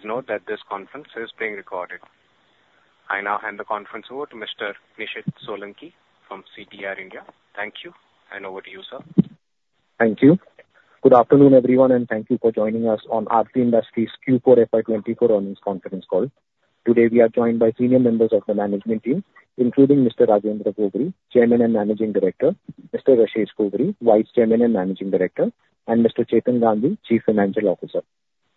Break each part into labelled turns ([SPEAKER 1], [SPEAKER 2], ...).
[SPEAKER 1] Please note that this conference is being recorded. I now hand the conference over to Mr. Nishit Solanki from CDR India. Thank you, and over to you, sir.
[SPEAKER 2] Thank you. Good afternoon, everyone, and thank you for joining us on Aarti Industries Q4 FY 2024 earnings conference call. Today, we are joined by senior members of the management team, including Mr. Rajendra Gogri, Chairman and Managing Director, Mr. Rashesh Gogri, Vice Chairman and Managing Director, and Mr. Chetan Gandhi, Chief Financial Officer.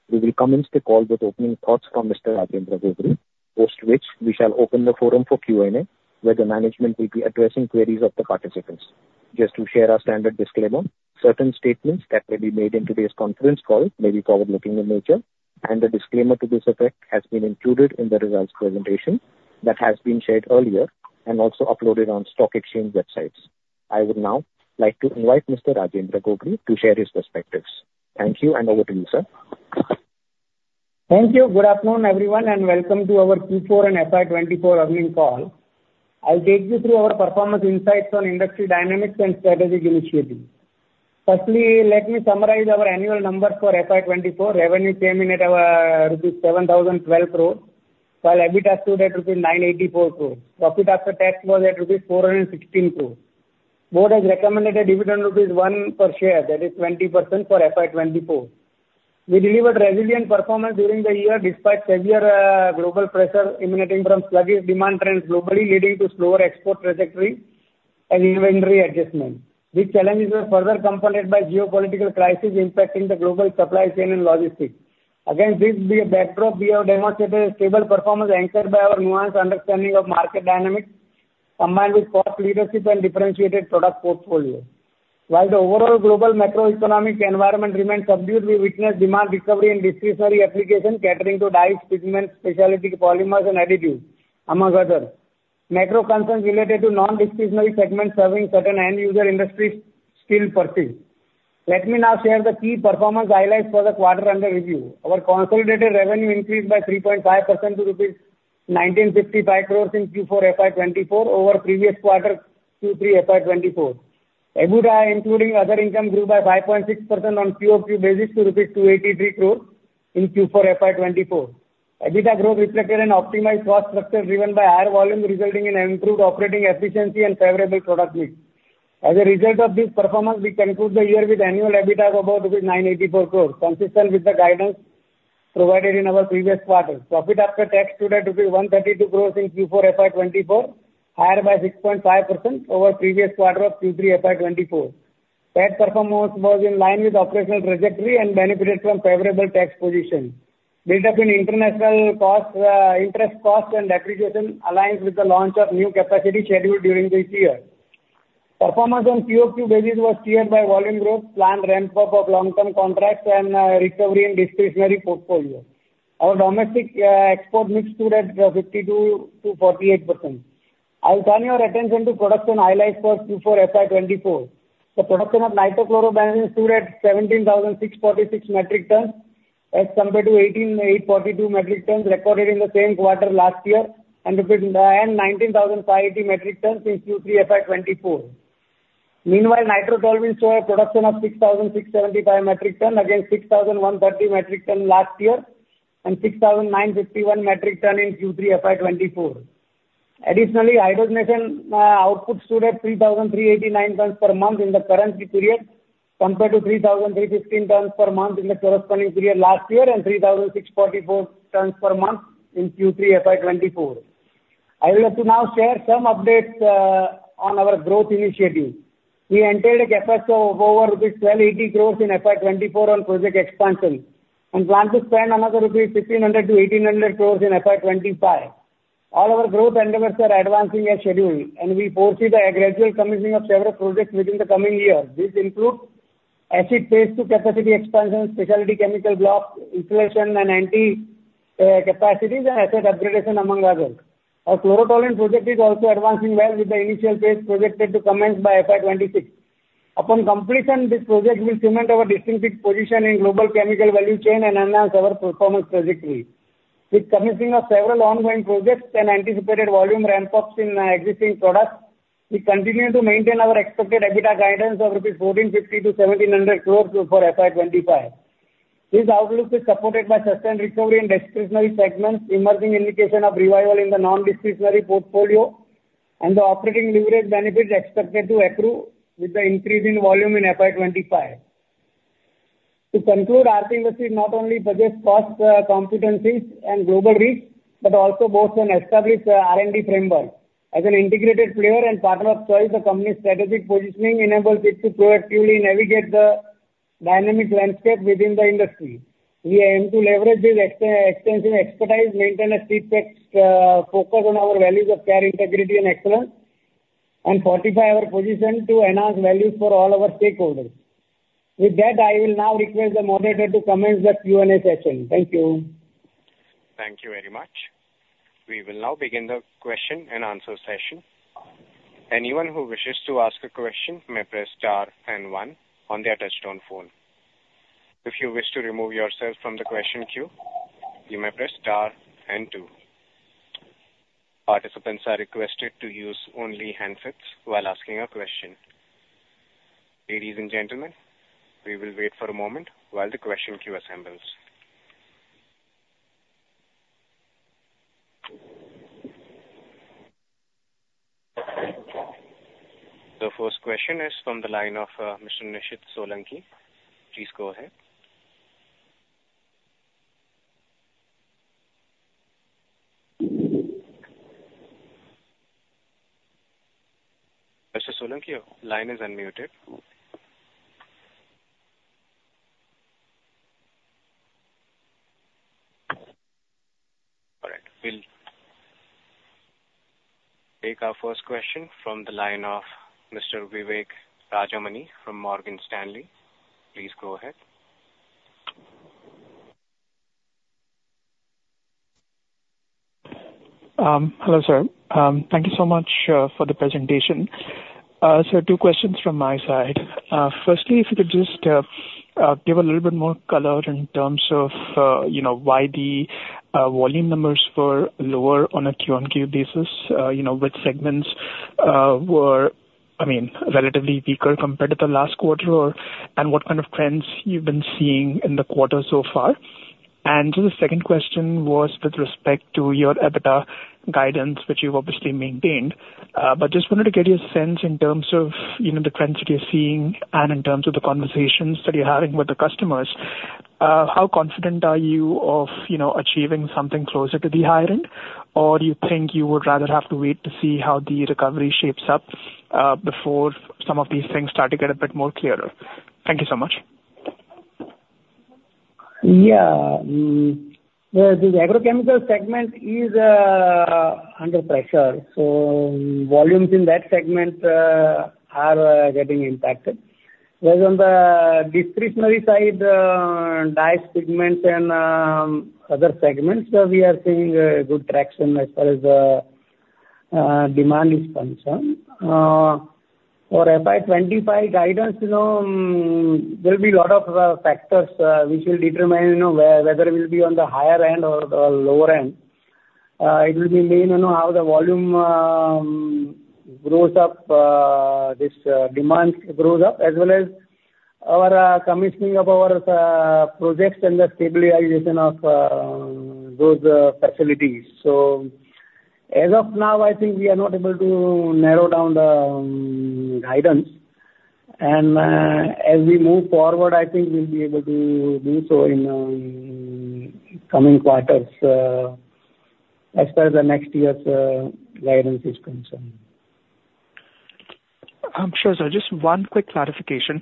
[SPEAKER 2] We will commence the call with opening thoughts from Mr. Rajendra Gogri, post which we shall open the forum for Q&A, where the management will be addressing queries of the participants. Just to share our standard disclaimer, certain statements that may be made in today's conference call may be forward-looking in nature, and the disclaimer to this effect has been included in the results presentation that has been shared earlier and also uploaded on stock exchange websites. I would now like to invite Mr. Rajendra Gogri to share his perspectives. Thank you, and over to you, sir.
[SPEAKER 3] Thank you. Good afternoon, everyone, and welcome to our Q4 and FY 2024 earnings call. I'll take you through our performance insights on industry dynamics and strategic initiatives. Firstly, let me summarize our annual numbers for FY 2024. Revenue came in at rupees 7,012 crore, while EBITDA stood at rupees 984 crore. Profit after tax was at rupees 416 crore. Board has recommended a dividend rupees one per share, that is 20% for FY 2024. We delivered resilient performance during the year, despite severe global pressure emanating from sluggish demand trends globally, leading to slower export trajectory and inventory adjustment. These challenges were further compounded by geopolitical crisis impacting the global supply chain and logistics. Against this backdrop, we have demonstrated a stable performance anchored by our nuanced understanding of market dynamics, combined with cost leadership and differentiated product portfolio. While the overall global macroeconomic environment remains subdued, we witnessed demand recovery and discretionary application catering to dyes, pigments, specialty polymers and additives, among others. Macro concerns related to non-discretionary segments serving certain end user industries still persist. Let me now share the key performance highlights for the quarter under review. Our consolidated revenue increased by 3.5% to rupees 1,955 crore in Q4 FY 2024 over previous quarter, Q3 FY 2024. EBITDA, including other income, grew by 5.6% on QOQ basis to 283 crore in Q4 FY 2024. EBITDA growth reflected an optimized cost structure driven by higher volume, resulting in improved operating efficiency and favorable product mix. As a result of this performance, we conclude the year with annual EBITDA above rupees 984 crore, consistent with the guidance provided in our previous quarter. Profit after tax stood at rupees 132 crore in Q4 FY 2024, higher by 6.5% over previous quarter of Q3 FY 2024. Tax performance was in line with operational trajectory and benefited from favorable tax position. Build-up in international cost, interest cost and depreciation aligns with the launch of new capacity scheduled during this year. Performance on QOQ basis was steered by volume growth, planned ramp-up of long-term contracts, and recovery and discretionary portfolio. Our domestic export mix stood at 52%-48%. I'll turn your attention to production highlights for Q4 FY 2024. The production of Nitrotoluene stood at 17,646 metric tons as compared to 18,842 metric tons recorded in the same quarter last year, and 19,580 metric tons in Q3 FY 2024. Meanwhile, Nitrotoluene saw a production of 6,675 metric ton, against 6,130 metric ton last year, and 6,951 metric ton in Q3 FY 2024. Additionally, hydrogenation output stood at 3,389 tons per month in the current period, compared to 3,315 tons per month in the corresponding period last year, and 3,644 tons per month in Q3 FY 2024. I would like to now share some updates on our growth initiatives. We entered a CapEx of over rupees 1,280 crore in FY 2024 on project expansion and plan to spend another 1,600 crore-1,800 crore rupees in FY 2025. All our growth endeavors are advancing as scheduled, and we foresee the gradual commissioning of several projects within the coming year. This includes acid phase II capacity expansion, specialty chemical block, Ethylation and NT, capacities and asset upgradation, among others. Our chlorotoluene project is also advancing well, with the initial phase projected to commence by FY 2026. Upon completion, this project will cement our distinctive position in global chemical value chain and enhance our performance trajectory. With commissioning of several ongoing projects and anticipated volume ramp-ups in existing products, we continue to maintain our expected EBITDA guidance of 1,450 crore-1,700 crore rupees for FY 2025. This outlook is supported by sustained recovery in discretionary segments, emerging indication of revival in the non-discretionary portfolio, and the operating leverage benefits expected to accrue with the increase in volume in FY 2025. To conclude, Aarti Industries not only possess cost competencies and global reach, but also boasts an established R&D framework. As an integrated player and partner of choice, the company's strategic positioning enables it to proactively navigate the dynamic landscape within the industry. We aim to leverage this extensive expertise, maintain a steadfast focus on our values of care, integrity, and excellence, and fortify our position to enhance value for all our stakeholders. With that, I will now request the moderator to commence the Q&A session. Thank you.
[SPEAKER 1] Thank you very much. We will now begin the question and answer session. Anyone who wishes to ask a question may press star and one on their touchtone phone. If you wish to remove yourself from the question queue, you may press star and two. Participants are requested to use only handsets while asking a question. Ladies and gentlemen, we will wait for a moment while the question queue assembles. The first question is from the line of Mr. Nishit Solanki. Please go ahead. Mr. Solanki, your line is unmuted. All right. We'll take our first question from the line of Mr. Vivek Rajamani from Morgan Stanley. Please go ahead.
[SPEAKER 4] Hello, sir. Thank you so much for the presentation. So two questions from my side. Firstly, if you could just give a little bit more color in terms of, you know, why the volume numbers were lower on a QoQ basis. You know, which segments were, I mean, relatively weaker compared to the last quarter, or, and what kind of trends you've been seeing in the quarter so far? So the second question was with respect to your EBITDA guidance, which you've obviously maintained. But just wanted to get a sense in terms of, you know, the trends that you're seeing and in terms of the conversations that you're having with the customers, how confident are you of, you know, achieving something closer to the higher? Or do you think you would rather have to wait to see how the recovery shapes up, before some of these things start to get a bit more clearer? Thank you so much.
[SPEAKER 3] Yeah. The agrochemical segment is under pressure, so volumes in that segment are getting impacted. Whereas on the discretionary side, dyes, pigments, and other segments, where we are seeing good traction as far as demand is concerned. For FY 2025 guidance, you know, there'll be a lot of factors which will determine, you know, where whether we'll be on the higher end or the lower end. It will be mainly, you know, how the volume grows up, this demand grows up, as well as our commissioning of our projects and the stabilization of those facilities. So as of now, I think we are not able to narrow down the guidance. As we move forward, I think we'll be able to do so in coming quarters, as per the next year's guidance is concerned.
[SPEAKER 4] I'm sure, sir. Just one quick clarification.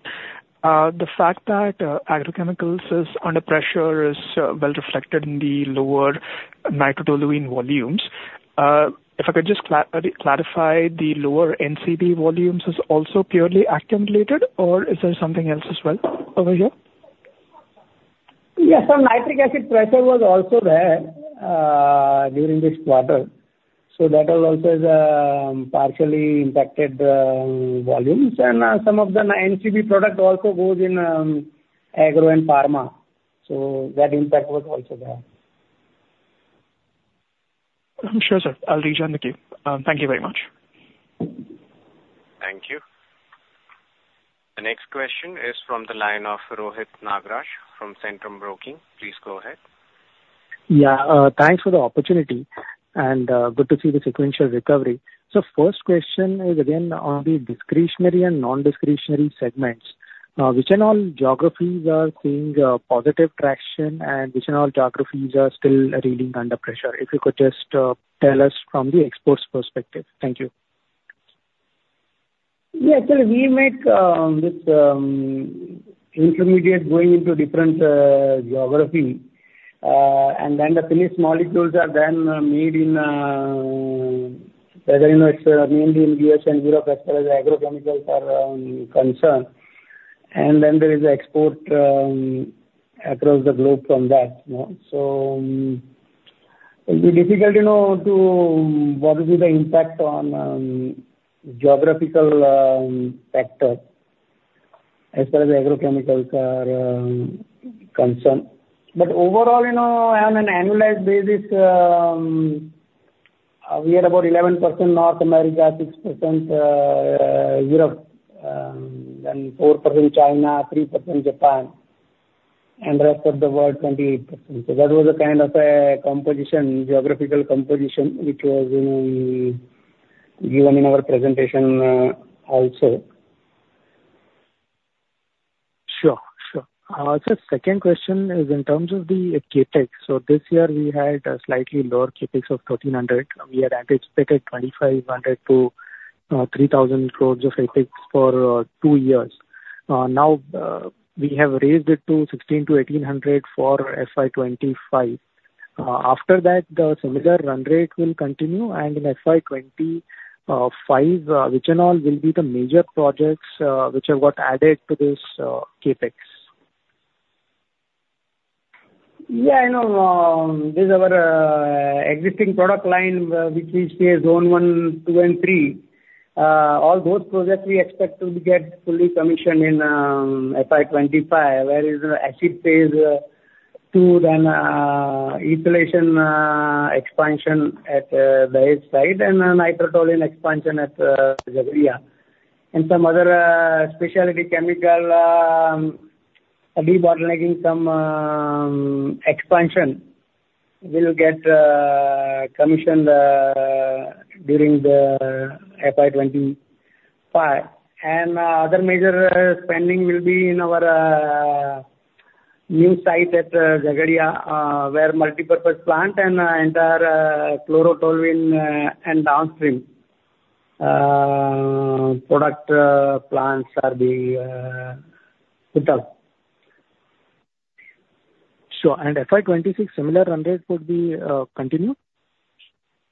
[SPEAKER 4] The fact that agrochemicals is under pressure is well reflected in the lower nitrotoluene volumes. If I could just clarify, the lower NCB volumes is also purely accumulated, or is there something else as well over here?
[SPEAKER 3] Yeah. So nitric acid pressure was also there during this quarter. So that has also partially impacted volumes. And some of the N-NCB product also goes in agro and pharma. So that impact was also there.
[SPEAKER 4] I'm sure, sir. I'll rejoin the queue. Thank you very much.
[SPEAKER 1] Thank you. The next question is from the line of Rohit Nagraj from Centrum Broking. Please go ahead.
[SPEAKER 5] Yeah, thanks for the opportunity, and, good to see the sequential recovery. So first question is again on the discretionary and non-discretionary segments. Now, which and all geographies are seeing, positive traction, and which and all geographies are still really under pressure? If you could just, tell us from the exports perspective. Thank you.
[SPEAKER 3] Yeah. So we make this intermediate going into different geography. And then the finished molecules are then made in whether you know it's mainly in U.S. and Europe as far as agrochemicals are concerned. And then there is export across the globe from that you know? So it'll be difficult you know to what will be the impact on geographical factor as far as agrochemicals are concerned. But overall you know on an annualized basis we had about 11% North America, 6% Europe then 4% China, 3% Japan, and rest of the world, 28%. So that was a kind of a composition, geographical composition, which was you know given in our presentation also.
[SPEAKER 5] Sure. Sure. Just second question is in terms of the CapEx. So this year we had a slightly lower CapEx of 1,300 crore. We had anticipated 2,500 crore-3,000 crore of CapEx for two years. Now we have raised it to 1,600 crore-1,800 crore for FY 2025. After that, the similar run rate will continue, and in FY 2025, which and all will be the major projects which have got added to this CapEx?
[SPEAKER 3] Yeah, you know, this is our existing product line, which we say phase I, II, and III. All those projects we expect to get fully commissioned in FY 2025, whereas the acid phase to then isolation expansion at the site and a Nitrotoluene expansion at Jhagadia. And some other specialty chemical debottlenecking some expansion will get commissioned during the FY 2025. And other major spending will be in our new site at Jhagadia, where multipurpose plant and entire chlorotoluene and downstream product plants are being put up.
[SPEAKER 5] Sure. And FY 2026, similar run rate would be, continue?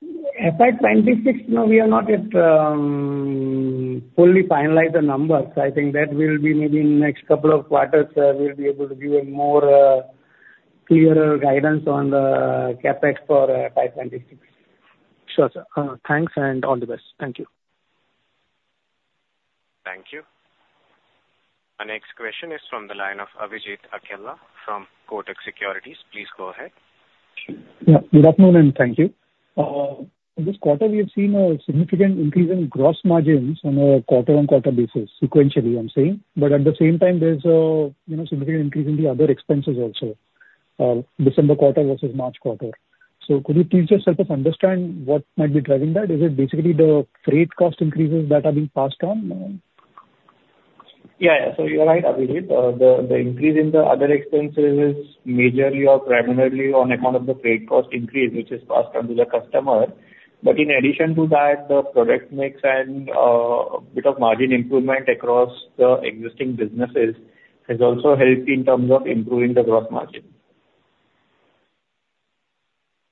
[SPEAKER 3] FY 2026, no, we have not yet fully finalized the numbers. I think that will be maybe in next couple of quarters, we'll be able to give a more clearer guidance on the CapEx for FY 2026.
[SPEAKER 5] Sure, sir. Thanks and all the best. Thank you.
[SPEAKER 1] Thank you. Our next question is from the line of Abhijit Akella from Kotak Securities. Please go ahead.
[SPEAKER 6] Yeah, good afternoon, and thank you. This quarter, we have seen a significant increase in gross margins on a quarter-on-quarter basis, sequentially, I'm saying. But at the same time, there's a, you know, significant increase in the other expenses also, December quarter versus March quarter. So could you please just help us understand what might be driving that? Is it basically the freight cost increases that are being passed on?
[SPEAKER 7] Yeah, so you're right, Abhijit. The increase in the other expenses is majorly or primarily on account of the freight cost increase, which is passed on to the customer. But in addition to that, the product mix and bit of margin improvement across the existing businesses has also helped in terms of improving the growth margin.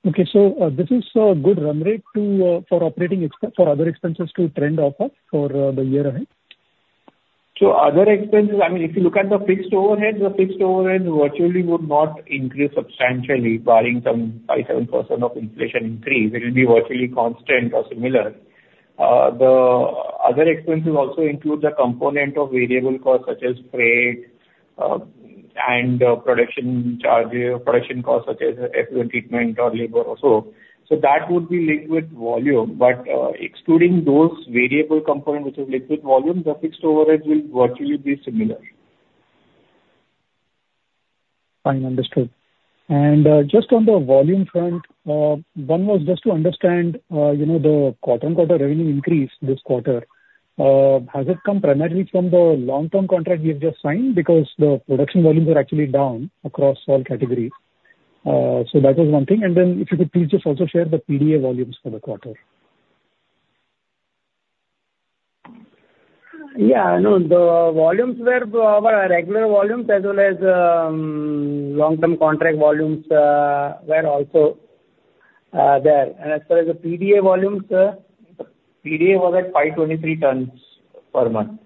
[SPEAKER 6] Okay. So, this is a good run rate to, for other expenses to trend off of for, the year ahead?
[SPEAKER 7] So other expenses, I mean, if you look at the fixed overhead, the fixed overhead virtually would not increase substantially, barring some 5%-7% of inflation increase. It will be virtually constant or similar. The other expenses also include the component of variable costs, such as freight, and production charges, production costs, such as effluent treatment or labor also. So that would be linked with volume, but, excluding those variable components, which are linked with volume, the fixed overhead will virtually be similar.
[SPEAKER 6] Fine. Understood. And, just on the volume front, one was just to understand, you know, the quarter-on-quarter revenue increase this quarter, has it come primarily from the long-term contract you've just signed? Because the production volumes are actually down across all categories. So that is one thing. And then if you could please just also share the PDA volumes for the quarter.
[SPEAKER 3] Yeah. No, the volumes were our regular volumes as well as long-term contract volumes were also there. And as far as the PDA volumes, PDA was at 523 tons per month.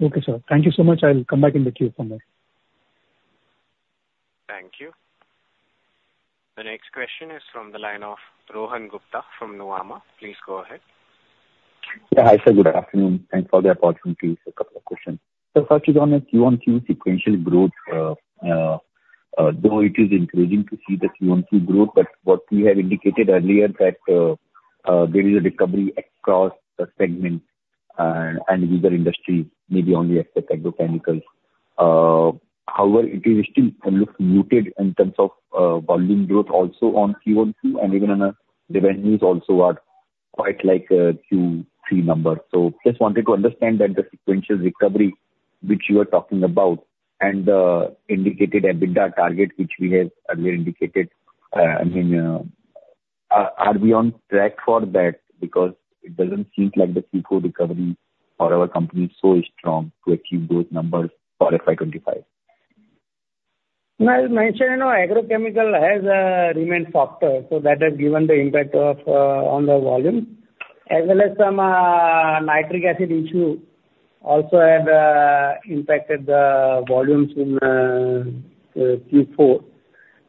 [SPEAKER 6] Okay, sir. Thank you so much. I'll come back in the queue for more.
[SPEAKER 1] Thank you. The next question is from the line of Rohan Gupta from Nomura. Please go ahead.
[SPEAKER 8] Yeah. Hi, sir, good afternoon. Thanks for the opportunity. Just a couple of questions. First is on the Q1 QoQ sequential growth, though it is encouraging to see the Q1 QoQ growth, but what we had indicated earlier that there is a recovery across the segment and user industry, maybe only except agrochemicals. However, it is still looks muted in terms of volume growth also on Q1 QoQ, and even on the revenues also are quite like Q3 numbers. So just wanted to understand that the sequential recovery, which you are talking about, and the indicated EBITDA target, which we have earlier indicated, I mean, are we on track for that? Because it doesn't seem like the Q4 recovery for our company is so strong to achieve those numbers for FY 2025.
[SPEAKER 3] Now, as mentioned, you know, agrochemical has remained softer, so that has given the impact of on the volume, as well as some nitric acid issue also had impacted the volumes in Q4.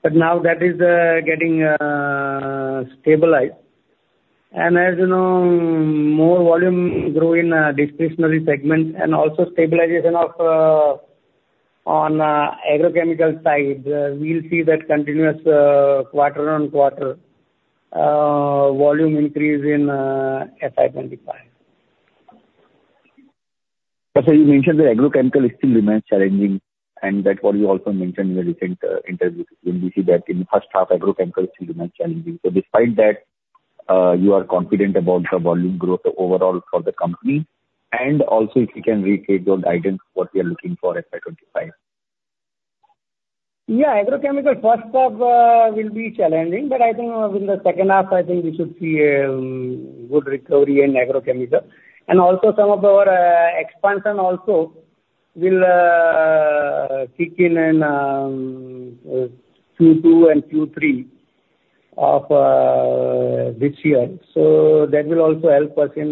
[SPEAKER 3] But now that is getting stabilized. And as you know, more volume grow in discretionary segments and also stabilization of on agrochemical side, we'll see that continuous quarter-on-quarter volume increase in FY 2025.
[SPEAKER 8] But so you mentioned that agrochemical still remains challenging, and that's what you also mentioned in a recent interview, when we see that in the first half, agrochemical still remains challenging. So despite that, you are confident about the volume growth overall for the company, and also if you can reiterate your guidance, what we are looking for FY 2025?
[SPEAKER 3] Yeah. Agrochemical first half will be challenging, but I think in the second half, I think we should see a good recovery in agrochemical. And also, some of our expansion also will kick in in Q2 and Q3 of this year. So that will also help us in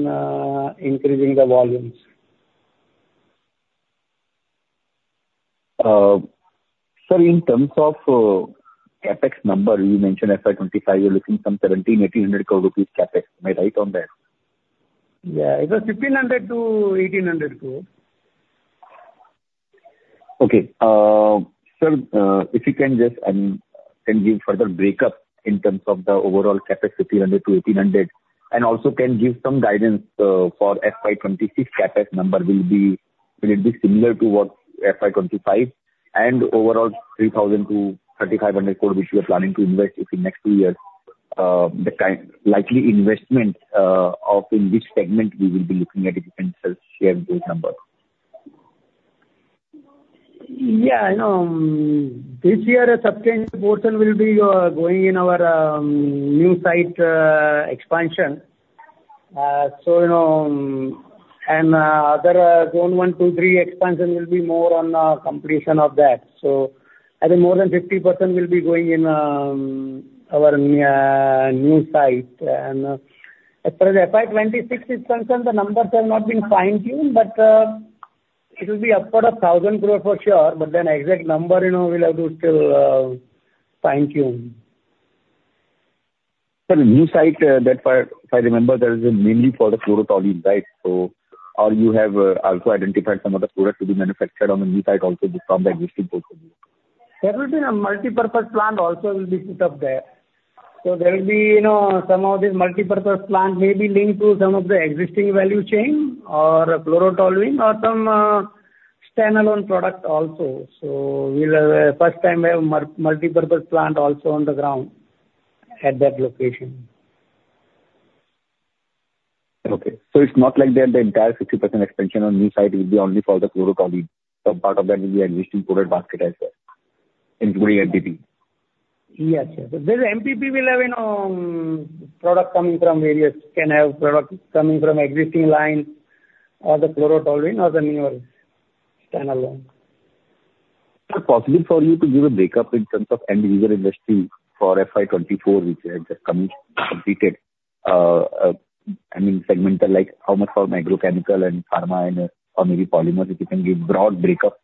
[SPEAKER 3] increasing the volumes.
[SPEAKER 8] Sir, in terms of CapEx number, you mentioned FY 2025, you're looking some 1,700 crore-1,800 crore rupees CapEx. Am I right on that?...
[SPEAKER 3] Yeah, it was 1,500 crore-1,800 crore.
[SPEAKER 8] Okay. So, if you can just can give further breakup in terms of the overall CapEx, 1,500 crore-1,800 crore, and also can give some guidance for FY 2026 CapEx number will be, will it be similar to what FY 2025 and overall 3,000 crore-3,500 crore, which you are planning to invest within next two years, the kind-- likely investment of in which segment we will be looking at it, if you can share those numbers.
[SPEAKER 3] Yeah, you know, this year a substantial portion will be going in our new site expansion. So, you know, and other zone one, two, three expansion will be more on completion of that. So I think more than 50% will be going in our new site. And, as far as FY 2026 is concerned, the numbers have not been fine-tuned, but it will be upward of 1,000 crore for sure, but then exact number, you know, we'll have to still fine-tune.
[SPEAKER 8] Sir, new site, that far, if I remember, that is mainly for the Chlorotoluene, right? So or you have, also identified some other products to be manufactured on the new site also from the existing point of view.
[SPEAKER 3] There will be a Multipurpose Plant also will be set up there. So there will be, you know, some of the Multipurpose Plant may be linked to some of the existing value chain or Chlorotoluene or some standalone product also. So we'll first time have Multipurpose Plant also on the ground at that location.
[SPEAKER 8] Okay. So it's not like that the entire 50% expansion on new site will be only for the Chlorotoluene. Some part of that will be existing product basket as well, including MPP?
[SPEAKER 3] Yes, sir. But this MPP will have, you know, product coming from various, can have products coming from existing line or the Chlorotoluene or the new standalone.
[SPEAKER 8] Is it possible for you to give a breakup in terms of end-user industry for FY 2024, which had just come, completed? I mean, segmental, like, how much for agrochemical and pharma and/or maybe polymers, if you can give broad breakup.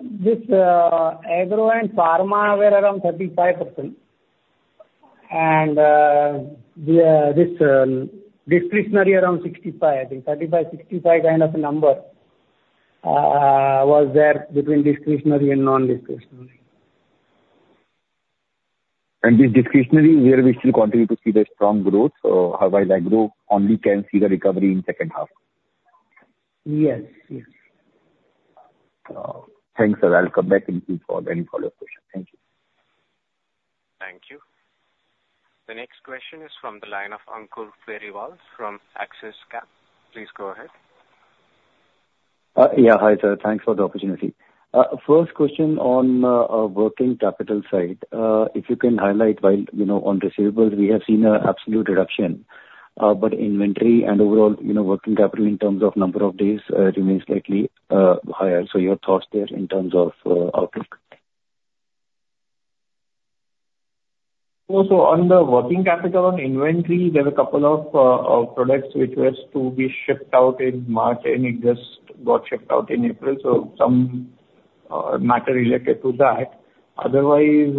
[SPEAKER 3] This, agro and pharma were around 35%. And, the, this, discretionary around 65%, I think. 35%, 65% kind of a number, was there between discretionary and non-discretionary.
[SPEAKER 8] This Discretionary, where we still continue to see the strong growth, or otherwise, Agro only can see the recovery in second half?
[SPEAKER 3] Yes. Yes.
[SPEAKER 8] Thanks, sir. I'll come back to you for any follow-up question. Thank you.
[SPEAKER 1] Thank you. The next question is from the line of Ankur Periwal from Axis Capital. Please go ahead.
[SPEAKER 9] Yeah, hi, sir. Thanks for the opportunity. First question on working capital side. If you can highlight while, you know, on receivables we have seen a absolute reduction, but inventory and overall, you know, working capital in terms of number of days remains slightly higher. So your thoughts there in terms of outlook.
[SPEAKER 7] So on the working capital on inventory, there were a couple of products which was to be shipped out in March, and it just got shipped out in April, so some matter related to that. Otherwise,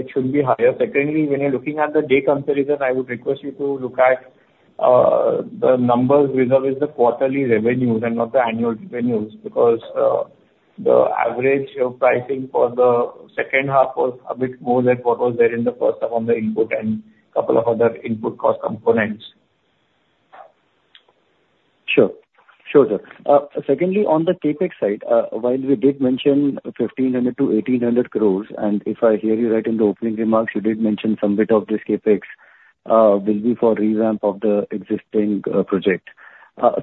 [SPEAKER 7] it should be higher. Secondly, when you're looking at the day comparison, I would request you to look at the numbers with always the quarterly revenues and not the annual revenues, because the average pricing for the second half was a bit more than what was there in the first half on the input and couple of other input cost components.
[SPEAKER 9] Sure. Sure, sir. Secondly, on the CapEx side, while we did mention 1,500 crore-1,800 crore, and if I hear you right in the opening remarks, you did mention some bit of this CapEx will be for revamp of the existing project.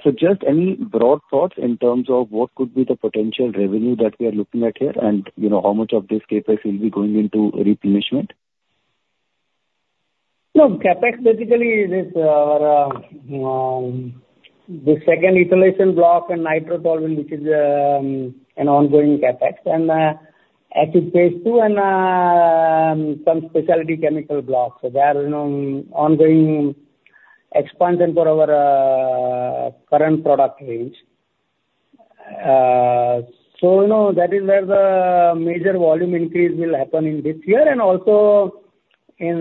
[SPEAKER 9] So just any broad thoughts in terms of what could be the potential revenue that we are looking at here, and, you know, how much of this CapEx will be going into replenishment?
[SPEAKER 3] No, CapEx basically is our the second ethylation block and Nitrotoluene, which is an ongoing CapEx, and Acid phase II and some specialty chemical blocks. So they are, you know, ongoing expansion for our current product range. So, you know, that is where the major volume increase will happen in this year and also in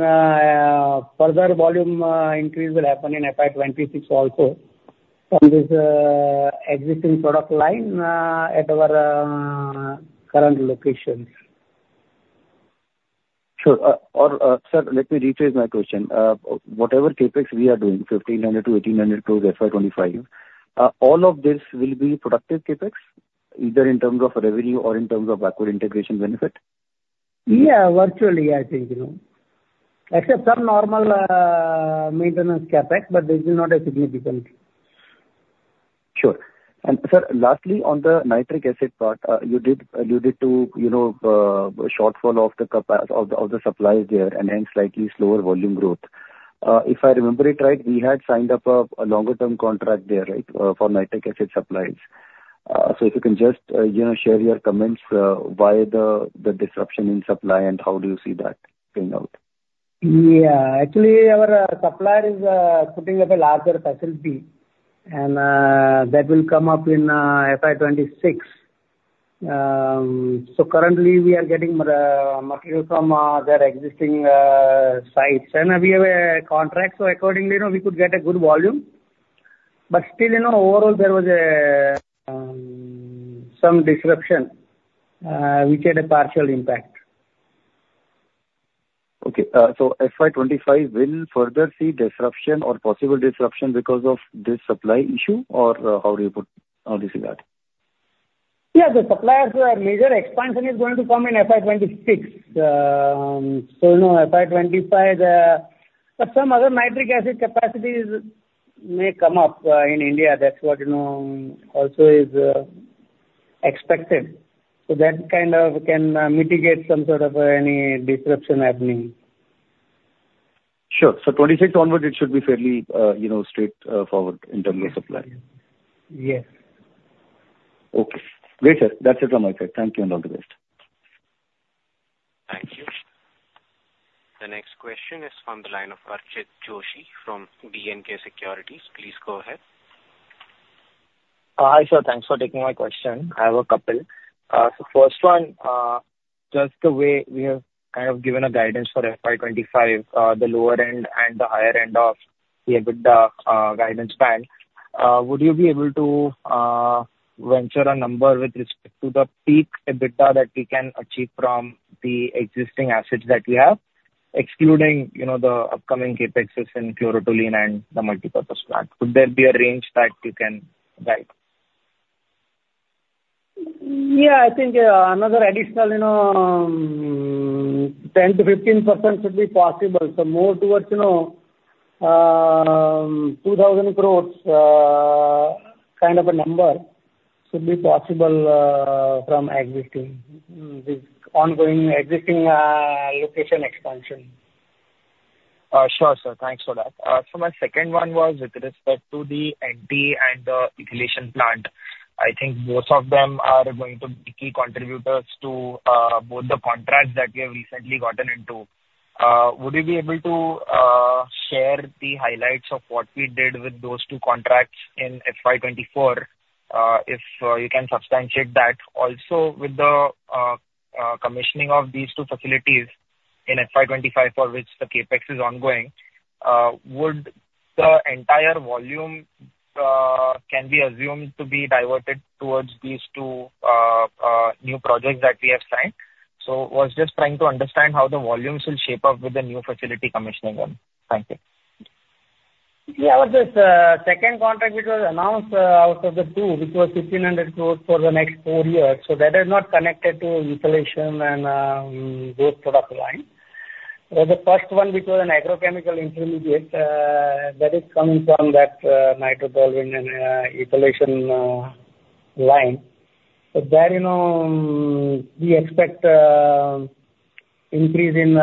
[SPEAKER 3] further volume increase will happen in FY 2026 also from this existing product line at our current locations.
[SPEAKER 9] Sure. Sir, let me rephrase my question. Whatever CapEx we are doing, 1,500 crore-1,800 crore FY 2025, all of this will be productive CapEx, either in terms of revenue or in terms of backward integration benefit?
[SPEAKER 3] Yeah, virtually, I think, you know. Except some normal, maintenance CapEx, but this is not a significant.
[SPEAKER 9] Sure. Sir, lastly, on the nitric acid part, you did allude it to, you know, shortfall of the supply there and hence slightly slower volume growth. If I remember it right, we had signed up a longer term contract there, right, for nitric acid supplies. So if you can just, you know, share your comments, why the disruption in supply, and how do you see that playing out?
[SPEAKER 3] Yeah. Actually, our supplier is putting up a larger facility, and that will come up in FY 2026. So currently we are getting the material from their existing sites, and we have a contract, so accordingly, you know, we could get a good volume. But still, you know, overall there was some disruption. We get a partial impact.
[SPEAKER 9] Okay. So FY 2025 will further see disruption or possible disruption because of this supply issue, or, how do you put, how do you see that?
[SPEAKER 3] Yeah, the suppliers' major expansion is going to come in FY 2026. So, you know, FY 2025, but some other nitric acid capacities may come up in India. That's what, you know, also is expected. So that kind of can mitigate some sort of any disruption happening.
[SPEAKER 9] Sure. So 2026 onwards, it should be fairly, you know, straightforward in terms of supply.
[SPEAKER 3] Yes.
[SPEAKER 9] Okay, great, sir. That's it from my side. Thank you, and all the best.
[SPEAKER 1] Thank you. The next question is from the line of Archit Joshi from B&K Securities. Please go ahead.
[SPEAKER 10] Hi, sir. Thanks for taking my question. I have a couple. So first one, just the way we have kind of given a guidance for FY 2025, the lower end and the higher end of the EBITDA guidance band, would you be able to venture a number with respect to the peak EBITDA that we can achieve from the existing assets that we have, excluding, you know, the upcoming CapExs in Chlorotoluene and the multipurpose plant? Could there be a range that you can guide?
[SPEAKER 3] Yeah, I think, another additional, you know, 10%-15% should be possible. So more towards, you know, 2,000 crore kind of a number should be possible, from existing, with ongoing existing, location expansion.
[SPEAKER 10] Sure, sir. Thanks for that. So my second one was with respect to the NT and the ethylation plant. I think both of them are going to be key contributors to both the contracts that we have recently gotten into. Would you be able to share the highlights of what we did with those two contracts in FY 2024? If you can substantiate that. Also, with the commissioning of these two facilities in FY 2025, for which the CapEx is ongoing, would the entire volume can be assumed to be diverted towards these two new projects that we have signed? So was just trying to understand how the volumes will shape up with the new facility commissioning one. Thank you.
[SPEAKER 3] Yeah, with this second contract, which was announced out of the two, which was 1,500 crore for the next four years, so that is not connected to ethylation and those product line. But the first one, which was an agrochemical intermediate, that is coming from that Nitrotoluene and ethylation line. So there, you know, we expect increase in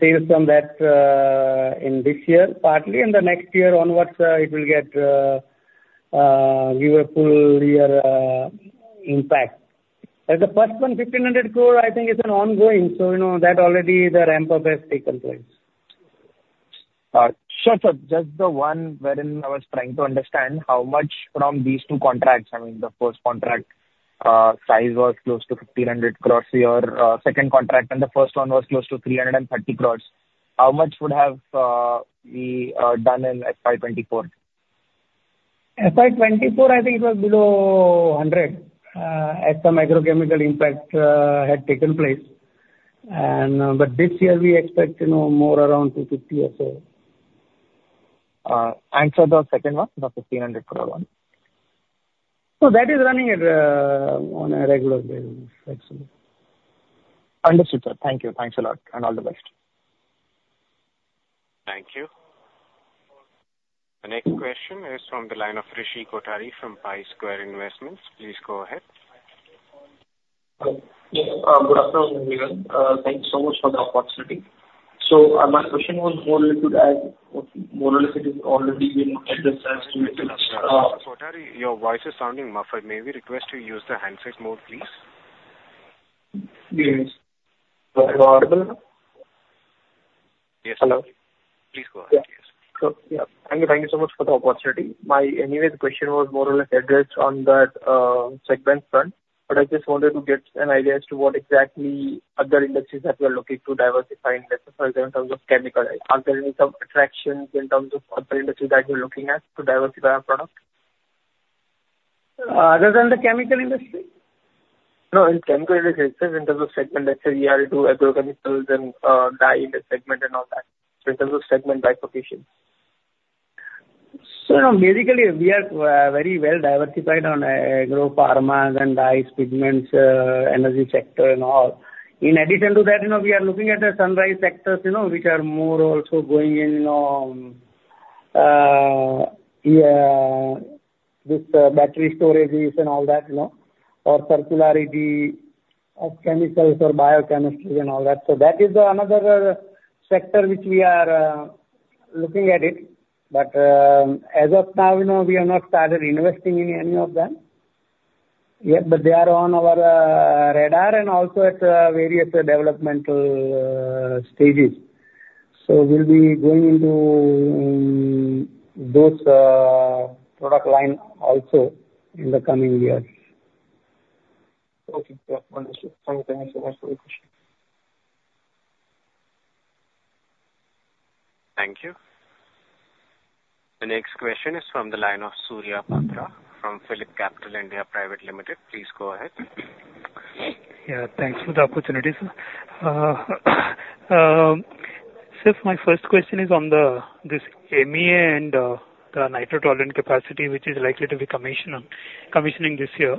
[SPEAKER 3] sales from that in this year, partly, and the next year onwards, it will get give a full year impact. But the first one, 1,500 crore, I think is an ongoing, so you know, that already the ramp up has taken place.
[SPEAKER 10] Sure, sir. Just the one wherein I was trying to understand how much from these two contracts, I mean, the first contract size was close to 1,500 crore, your second contract, and the first one was close to 330 crore. How much would have we done in FY 2024?
[SPEAKER 3] FY 2024, I think it was below 100, as the micro chemical impact had taken place. But this year we expect, you know, more around 250 or so.
[SPEAKER 10] For the second one, the 1,500 crore one?
[SPEAKER 3] That is running at, on a regular basis, actually.
[SPEAKER 10] Understood, sir. Thank you. Thanks a lot, and all the best.
[SPEAKER 1] Thank you. The next question is from the line of Rishi Kothari from Pi Square Investments. Please go ahead.
[SPEAKER 11] Yes, good afternoon, everyone. Thank you so much for the opportunity. So, my question was more related to as, more or less it is already been addressed as-
[SPEAKER 1] Rishi Kothari, your voice is sounding muffled. May we request you use the handset mode, please?
[SPEAKER 11] Yes. Am I audible now?
[SPEAKER 1] Yes.
[SPEAKER 11] Hello.
[SPEAKER 1] Please go ahead. Yes.
[SPEAKER 11] So yeah. Thank you, thank you so much for the opportunity. My, anyways, question was more or less addressed on that segment front, but I just wanted to get an idea as to what exactly other industries that you are looking to diversify in, for example, in terms of chemical. Are there any some attractions in terms of other industries that you're looking at to diversify our product?
[SPEAKER 3] Other than the chemical industry?
[SPEAKER 11] No, in chemical industry itself, in terms of segment. Let's say you are into agrochemicals and, dye in the segment and all that. So in terms of segment diversification.
[SPEAKER 3] So basically, we are very well diversified on agro pharmas and dyes, pigments, energy sector and all. In addition to that, you know, we are looking at the sunrise sectors, you know, which are more also going in yeah, this battery storages and all that, you know, or circularity of chemicals or biochemistry and all that. So that is the another sector which we are looking at it. But, as of now, you know, we have not started investing in any of them yet, but they are on our radar and also at various developmental stages. So we'll be going into those product line also in the coming years.
[SPEAKER 11] Okay. Yeah, got it, sir. Thank you, thank you so much for your question.
[SPEAKER 1] Thank you. The next question is from the line of Surya Patra, from PhillipCapital (India) Private Limited. Please go ahead.
[SPEAKER 12] Yeah, thanks for the opportunity, sir. Sir, my first question is on the this MEA and the nitro toluene capacity, which is likely to be commissioning this year.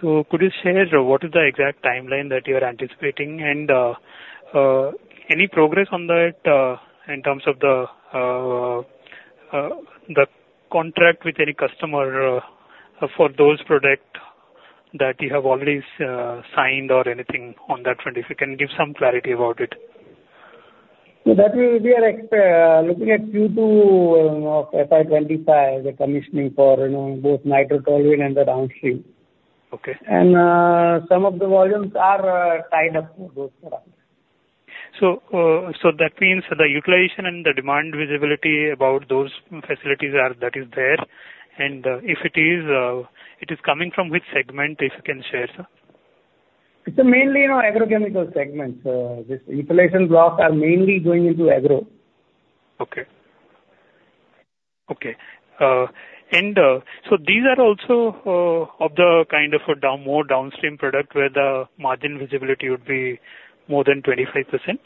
[SPEAKER 12] So could you share what is the exact timeline that you are anticipating, and any progress on that in terms of the the contract with any customer for those product that you have already signed or anything on that front? If you can give some clarity about it.
[SPEAKER 3] So that will be our looking at Q2 of FY 2025, the commissioning for, you know, both Nitro Toluene and the downstream.
[SPEAKER 12] Okay.
[SPEAKER 3] Some of the volumes are tied up for those products.
[SPEAKER 12] So, so that means the utilization and the demand visibility about those facilities are, that is there, and, if it is, it is coming from which segment, if you can share, sir?
[SPEAKER 3] It's mainly, you know, agrochemical segment. This utilization blocks are mainly going into agro.
[SPEAKER 12] Okay. Okay. So these are also of the kind of a downstream product, where the margin visibility would be more than 25%?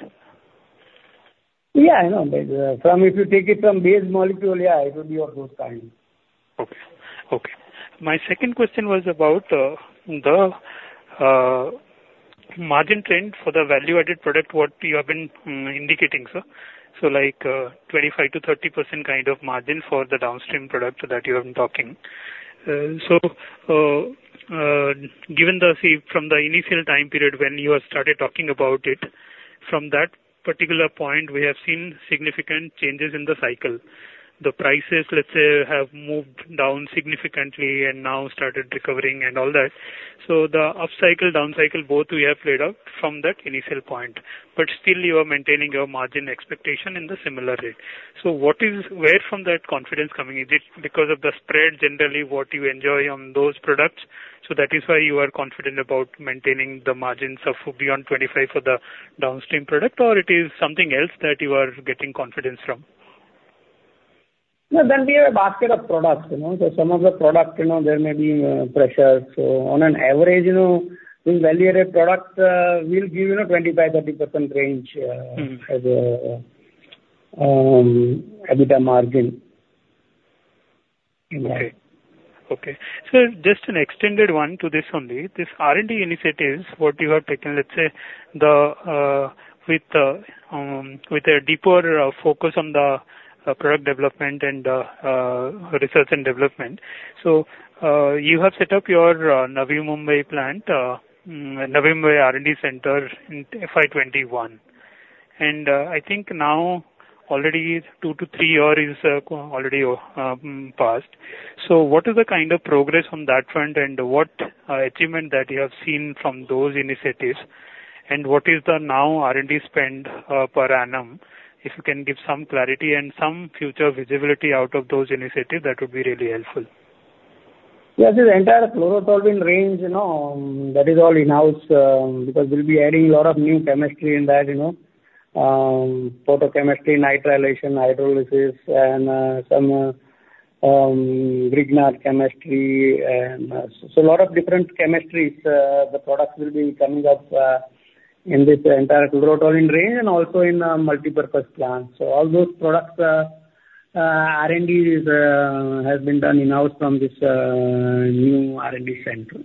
[SPEAKER 3] Yeah, I know. If you take it from base molecule, yeah, it will be of those kind.
[SPEAKER 12] Okay. Okay. My second question was about the margin trend for the value-added product, what you have been indicating, sir. So like, 25%-30% kind of margin for the downstream product that you have been talking. So, given the, say, from the initial time period when you have started talking about it, from that particular point, we have seen significant changes in the cycle. The prices, let's say, have moved down significantly and now started recovering and all that. So the up cycle, down cycle, both we have played out from that initial point, but still you are maintaining your margin expectation in the similar way. So what is... Where from that confidence coming? Is it because of the spread generally what you enjoy on those products, so that is why you are confident about maintaining the margins of beyond 25 for the downstream product, or it is something else that you are getting confidence from?
[SPEAKER 3] No, then we have a basket of products, you know. So some of the products, you know, there may be, pressures. So on an average, you know, these value-added products, will give, you know, 25%-30% range,
[SPEAKER 12] Mm.
[SPEAKER 3] as a EBITDA margin. Yeah.
[SPEAKER 12] Okay. So just an extended one to this only. This R&D initiatives, what you have taken, let's say, with a deeper focus on the product development and research and development. So, you have set up your Navi Mumbai plant, Navi Mumbai R&D center in FY 2021. And, I think now already two to three year is already passed. So what is the kind of progress on that front, and what achievement that you have seen from those initiatives? And what is the now R&D spend per annum? If you can give some clarity and some future visibility out of those initiatives, that would be really helpful.
[SPEAKER 3] Yes, the entire Chlorotoluene range, you know, that is all in-house, because we'll be adding a lot of new chemistry in that, you know. Photochemistry, Nitrilation, Hydrolysis, and some Grignard Chemistry, and. So a lot of different chemistries, the products will be coming up in this entire Chlorotoluene range and also in Multipurpose Plants. So all those products, R&D has been done in-house from this new R&D center.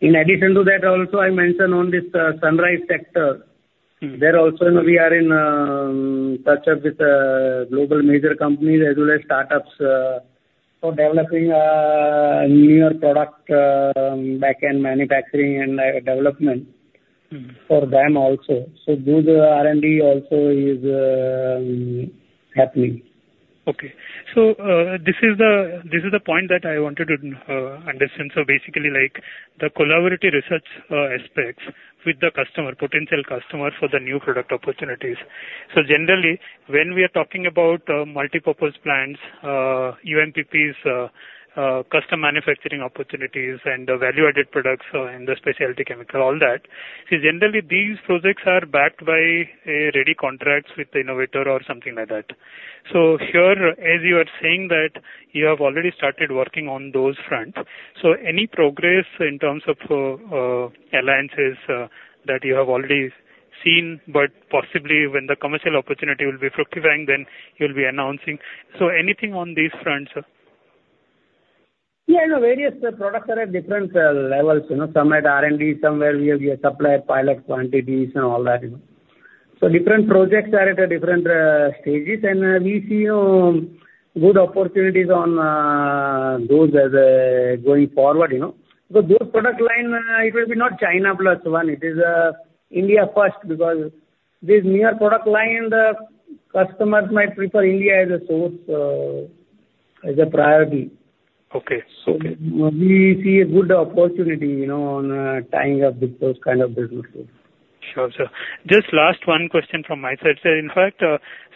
[SPEAKER 3] In addition to that, also, I mentioned on this sunrise sector.
[SPEAKER 12] Mm.
[SPEAKER 3] There also, we are in touch with global major companies as well as startups for developing newer product back-end manufacturing and development-
[SPEAKER 12] Mm.
[SPEAKER 3] - for them also. So those R&D also is happening.
[SPEAKER 12] Okay. So, this is the point that I wanted to understand. So basically, like, the collaborative research aspects with the customer, potential customer for the new product opportunities. So generally, when we are talking about multipurpose plants, MPPs, custom manufacturing opportunities and value-added products in the specialty chemical, all that, so generally, these projects are backed by ready contracts with the innovator or something like that. So here, as you are saying that you have already started working on those fronts, so any progress in terms of alliances that you have already seen, but possibly when the commercial opportunity will be fructifying, then you'll be announcing? So anything on these fronts, sir?
[SPEAKER 3] Yeah, you know, various products are at different levels, you know. Some at R&D, some where we supply pilot quantities and all that, you know. So different projects are at a different stages. And we see good opportunities on those as going forward, you know. So those product line, it will be not China plus one, it is, India first, because this newer product line, the customers might prefer India as a source as a priority.
[SPEAKER 12] Okay, so-
[SPEAKER 3] We see a good opportunity, you know, on tying up with those kind of businesses.
[SPEAKER 12] Sure, sir. Just last one question from my side, sir. In fact,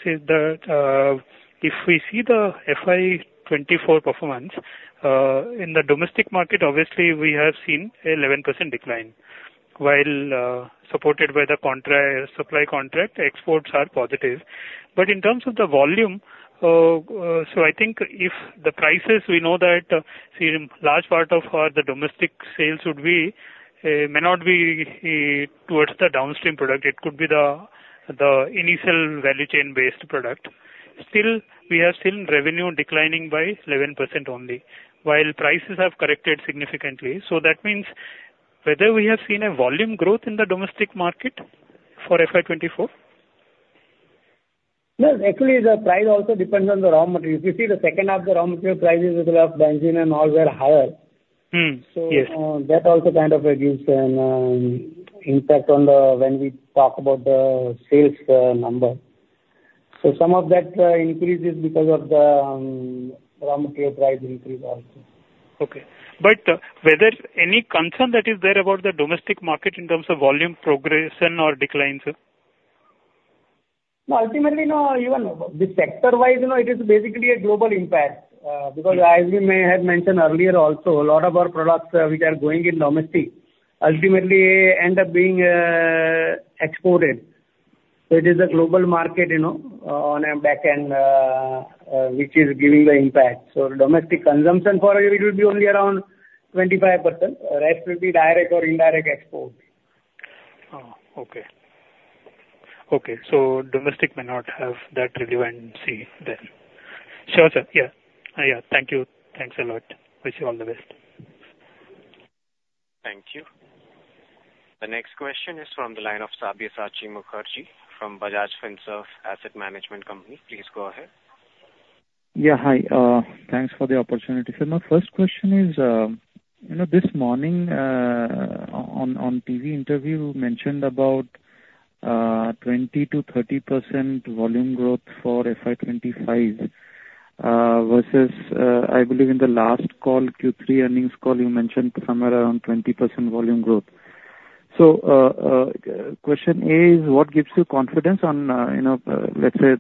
[SPEAKER 12] since the, if we see the FY 2024 performance, in the domestic market, obviously, we have seen an 11% decline, while, supported by the contra- supply contract, exports are positive. But in terms of the volume, so I think if the prices, we know that, see, large part of our the domestic sales would be, may not be, towards the downstream product, it could be the, the initial value chain-based product. Still, we have seen revenue declining by 11% only, while prices have corrected significantly. So that means whether we have seen a volume growth in the domestic market for FY 2024?
[SPEAKER 3] No, actually, the price also depends on the raw material. If you see the second half, the raw material prices of benzene and all were higher.
[SPEAKER 12] Mm, yes.
[SPEAKER 3] So, that also kind of gives an impact on the when we talk about the sales number. So some of that increase is because of the raw material price increase also.
[SPEAKER 12] Okay. But, whether any concern that is there about the domestic market in terms of volume progression or decline, sir?
[SPEAKER 3] No, ultimately, no. Even the sector-wise, you know, it is basically a global impact, because as we may have mentioned earlier also, a lot of our products, which are going in domestic, ultimately end up being, exported. So it is a global market, you know, on a back end, which is giving the impact. So domestic consumption for it, it will be only around 25%. Rest will be direct or indirect export.
[SPEAKER 12] Oh, okay. Okay, so domestic may not have that relevancy there. Sure, sir. Yeah. Yeah, thank you. Thanks a lot. Wish you all the best.
[SPEAKER 1] Thank you. The next question is from the line of Sabyasachi Mukerji from Bajaj Finserv Asset Management. Please go ahead.
[SPEAKER 13] Yeah, hi. Thanks for the opportunity, sir. My first question is, you know, this morning, on TV interview, you mentioned about, 20%-30% volume growth for FY 2025, versus, I believe in the last call, Q3 earnings call, you mentioned somewhere around 20% volume growth. So, question A is: What gives you confidence on, you know, let's say,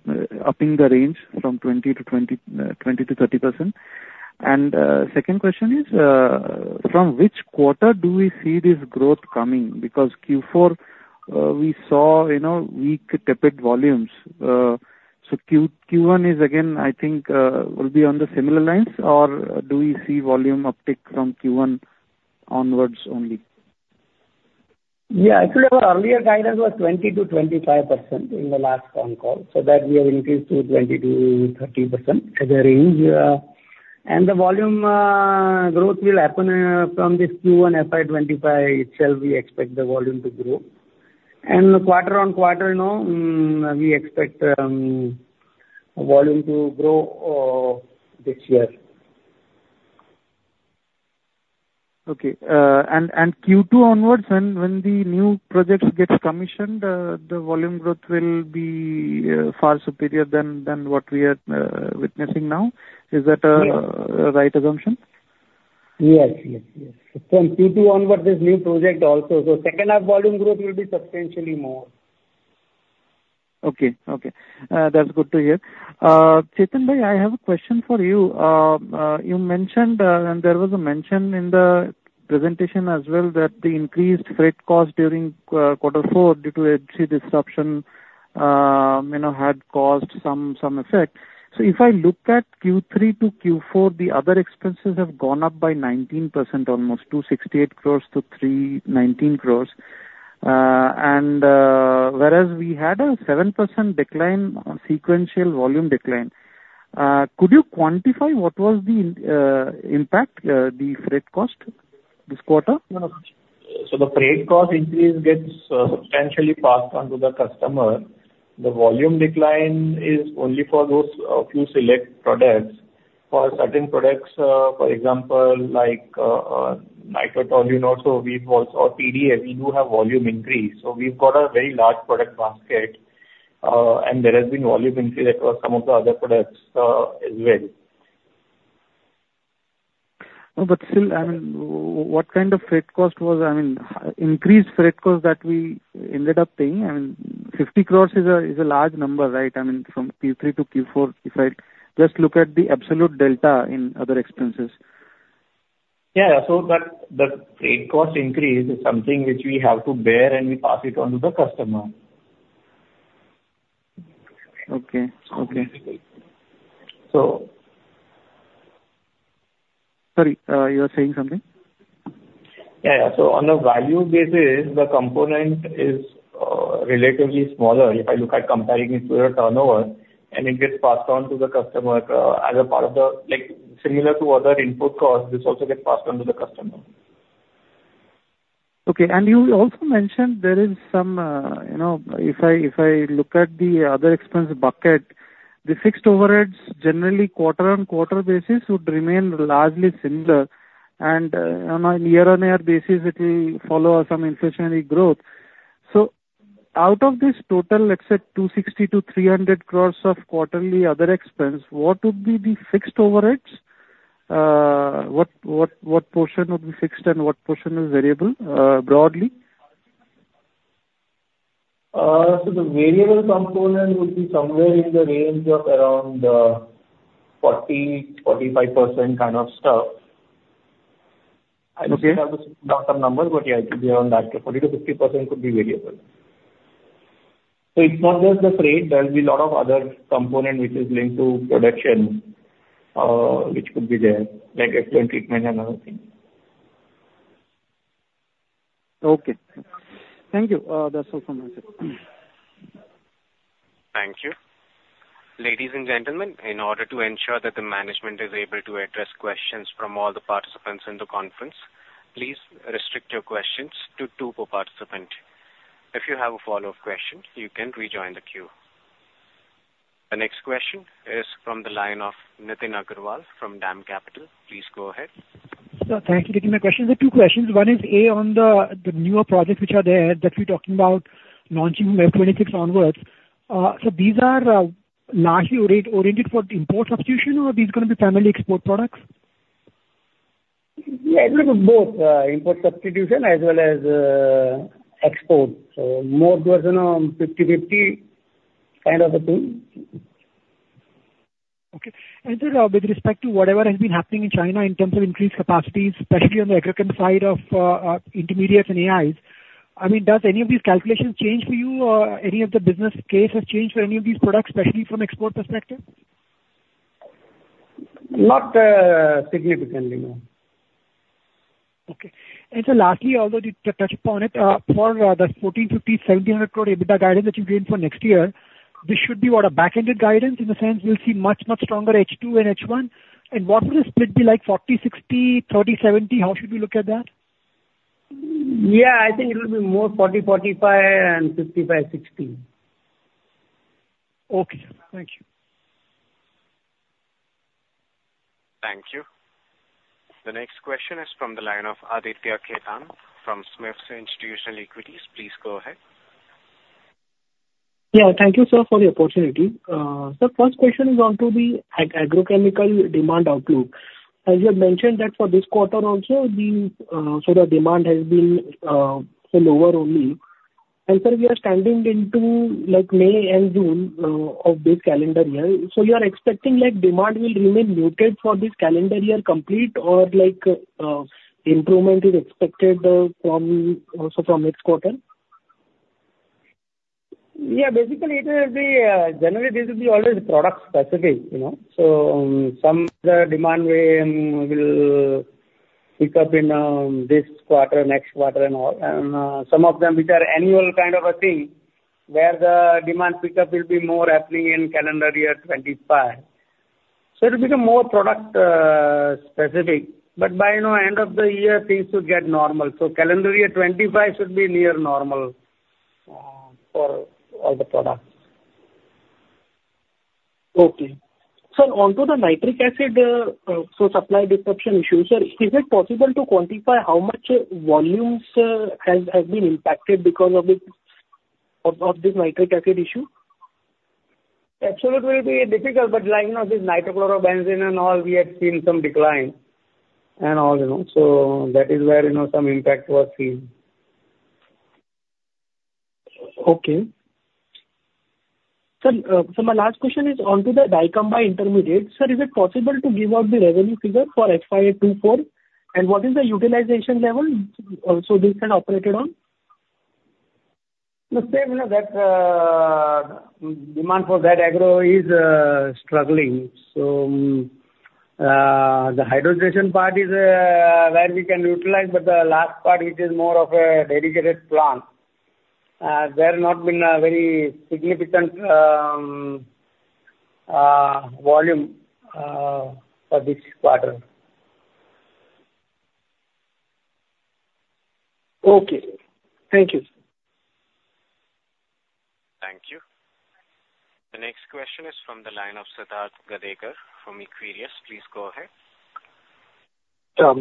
[SPEAKER 13] upping the range from 20%-20%, 20%-30%? And, second question is, from which quarter do we see this growth coming? Because Q4, we saw, you know, weak, tepid volumes. So Q, Q1 is again, I think, will be on the similar lines, or do we see volume uptick from Q1 onwards only?
[SPEAKER 3] Yeah. Actually, our earlier guidance was 20%-25% in the last phone call, so that we have increased to 20%-30% as a range. And the volume growth will happen from this Q1 FY 2025 itself; we expect the volume to grow. And quarter-on-quarter, you know, we expect volume to grow this year.
[SPEAKER 13] Okay. And Q2 onwards, when the new projects gets commissioned, the volume growth will be far superior than what we are witnessing now. Is that a-
[SPEAKER 3] Yeah.
[SPEAKER 13] - right assumption?
[SPEAKER 3] Yes, yes, yes. From Q2 onwards, this new project also. So second half volume growth will be substantially more.
[SPEAKER 13] Okay. Okay, that's good to hear. Chetan bhai, I have a question for you. You mentioned, and there was a mention in the presentation as well, that the increased freight cost during quarter four due to HD disruption, you know, had caused some effect. So if I look at Q3 to Q4, the other expenses have gone up by 19%, almost, 268 crore-319 crore. And whereas we had a 7% decline on sequential volume decline. Could you quantify what was the impact the freight cost this quarter?
[SPEAKER 7] So the freight cost increase gets substantially passed on to the customer. The volume decline is only for those few select products. For certain products, for example, like, nitrotoluene also, we've also... Or PDA, we do have volume increase. So we've got a very large product basket, and there has been volume increase across some of the other products, as well.
[SPEAKER 13] No, but still, I mean, what kind of freight cost was... I mean, increased freight cost that we ended up paying, I mean, 50 crore is a, is a large number, right? I mean, from Q3 to Q4, if I just look at the absolute delta in other expenses.
[SPEAKER 7] Yeah. So the freight cost increase is something which we have to bear, and we pass it on to the customer.
[SPEAKER 13] Okay. Okay.
[SPEAKER 7] So-
[SPEAKER 13] Sorry, you were saying something?
[SPEAKER 7] Yeah, yeah. So on a value basis, the component is relatively smaller if I look at comparing it to a turnover, and it gets passed on to the customer, as a part of the... Like, similar to other input costs, this also gets passed on to the customer.
[SPEAKER 13] Okay. And you also mentioned there is some, you know, if I, if I look at the other expense bucket, the fixed overheads, generally, quarter-on-quarter basis, would remain largely similar. And, on a year-on-year basis, it will follow some inflationary growth. Out of this total, let's say 260 crore-300 crore of quarterly other expense, what would be the fixed overheads? What, what, what portion would be fixed and what portion is variable, broadly?
[SPEAKER 7] So the variable component would be somewhere in the range of around 40%-45% kind of stuff. I would still have to look up some numbers, but yeah, it could be around that. 40%-50% could be variable. So it's not just the freight, there will be a lot of other component which is linked to production, which could be there, like treatment and other things.
[SPEAKER 13] Okay. Thank you. That's all from my side.
[SPEAKER 1] Thank you. Ladies and gentlemen, in order to ensure that the management is able to address questions from all the participants in the conference, please restrict your questions to two per participant. If you have a follow-up question, you can rejoin the queue. The next question is from the line of Nitin Agarwal from DAM Capital. Please go ahead.
[SPEAKER 14] Sir, thank you. My question, the two questions. One is, A, on the newer projects which are there, that you're talking about launching FY 2026 onwards. So these are largely oriented for import substitution or these are gonna be primarily export products?
[SPEAKER 3] Yeah, little of both, import substitution as well as export. So more towards, you know, 50/50 kind of a thing.
[SPEAKER 14] Okay. Sir, with respect to whatever has been happening in China in terms of increased capacities, especially on the agricultural side of intermediates and AIs, I mean, does any of these calculations change for you, or any of the business case has changed for any of these products, especially from export perspective?
[SPEAKER 3] Not significantly, no.
[SPEAKER 14] Okay. And so lastly, although you touched upon it, for the 1,450 crore-1,700 crore EBITDA guidance that you gave for next year, this should be what? A back-ended guidance in the sense we'll see much, much stronger H2 and H1. And what would the split be, like, 40-60, 30-70? How should we look at that?
[SPEAKER 3] Yeah, I think it will be more 40-45 and 55-60.
[SPEAKER 14] Okay. Thank you.
[SPEAKER 1] Thank you. The next question is from the line of Aditya Khetan from SMIFS Institutional Equities. Please go ahead.
[SPEAKER 15] Yeah, thank you, sir, for the opportunity. So first question is on to the agrochemical demand outlook. As you had mentioned that for this quarter also, the, so the demand has been lower only. And, sir, we are standing into, like, May and June, of this calendar year. So you are expecting, like, demand will remain muted for this calendar year complete, or like, improvement is expected, from, also from next quarter?
[SPEAKER 3] Yeah, basically, it will be generally this is already product specific, you know. So, some of the demand we will pick up in this quarter, next quarter and all. And some of them which are annual kind of a thing, where the demand pickup will be more happening in calendar year 2025. So it'll become more product specific, but by, you know, end of the year, things should get normal. So calendar year 2025 should be near normal for all the products.
[SPEAKER 15] Okay. Sir, onto the nitric acid, so supply disruption issue. Sir, is it possible to quantify how much volumes has been impacted because of this, of this nitric acid issue?
[SPEAKER 3] Absolutely, it will be difficult, but like, you know, this Nitrotoluene and all, we have seen some decline and all, you know. So that is where, you know, some impact was seen.
[SPEAKER 15] Okay. Sir, so my last question is onto the Dicamba intermediates. Sir, is it possible to give out the revenue figure for FY 2024? And what is the utilization level also this can operated on?
[SPEAKER 3] The same, you know, that demand for that agro is struggling. So, the hydrogenation part is where we can utilize, but the last part, which is more of a dedicated plant, there not been a very significant volume for this quarter.
[SPEAKER 15] Okay. Thank you, sir.
[SPEAKER 1] Thank you. The next question is from the line of Siddharth Gadekar from Equirius. Please go ahead.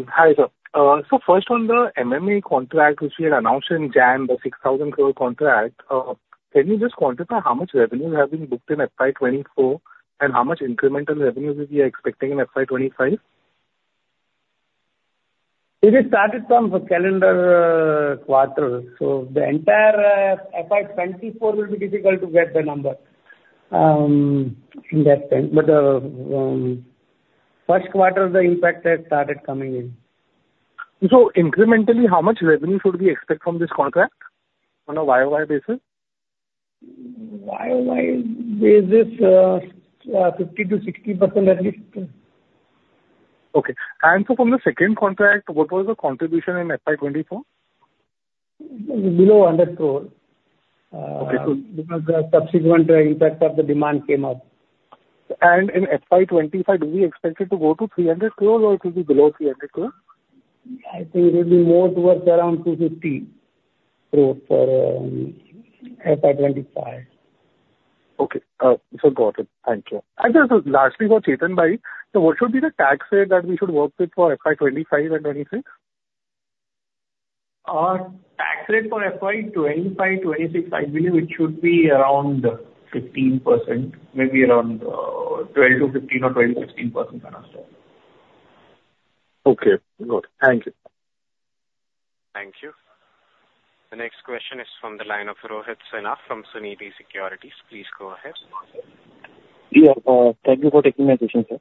[SPEAKER 16] Hi, sir. So first on the MMP contract, which we had announced in January, the 6,000 crore contract, can you just quantify how much revenue have been booked in FY 2024, and how much incremental revenues is he expecting in FY 2025?
[SPEAKER 3] It has started from the calendar quarter, so the entire FY 2024 will be difficult to get the number in that time. But first quarter, the impact has started coming in.
[SPEAKER 16] Incrementally, how much revenue should we expect from this contract on a YoY basis?
[SPEAKER 3] YoY basis, 50%-60% at least.
[SPEAKER 16] Okay. From the second contract, what was the contribution in FY 2024?
[SPEAKER 3] Below 100 crore.
[SPEAKER 16] Okay, cool.
[SPEAKER 3] Because the subsequent impact of the demand came up.
[SPEAKER 16] In FY 2025, do we expect it to go to 300 crore or it will be below 300 crore?
[SPEAKER 3] I think it will be more towards around 250 crore for FY 2025....
[SPEAKER 16] Okay. So got it. Thank you. And just lastly, for Chetan Bhai, so what should be the tax rate that we should work with for FY 2025 and FY 2026?
[SPEAKER 7] Tax rate for FY 2025, FY 2026, I believe it should be around 15%, maybe around 12%-15% or 20%-16% kind of stuff.
[SPEAKER 16] Okay, good. Thank you.
[SPEAKER 1] Thank you. The next question is from the line of Rohit Sinha from Sunidhi Securities. Please go ahead.
[SPEAKER 17] Yeah, thank you for taking my question, sir.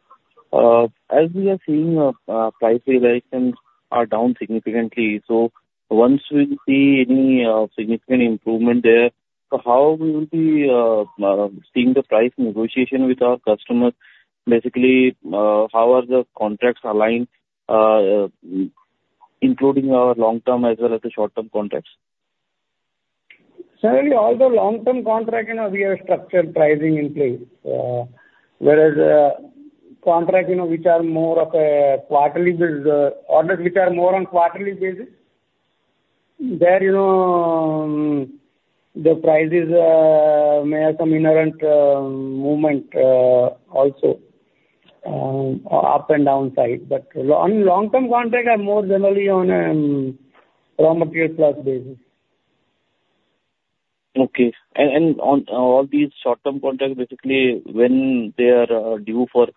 [SPEAKER 17] As we are seeing, price realization are down significantly, so once we see any significant improvement there, so how we will be seeing the price negotiation with our customers? Basically, how are the contracts aligned, including our long-term as well as the short-term contracts?
[SPEAKER 3] Certainly, all the long-term contract, you know, we have structured pricing in place. Whereas, contract, you know, which are more of a quarterly basis, orders which are more on quarterly basis, there, you know, the prices may have some inherent movement, also, up and down side. But on long-term contract are more generally on, around a year plus basis.
[SPEAKER 17] Okay. And on all these short-term contracts, basically, when they are due for